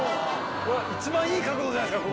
一番いい角度じゃないですか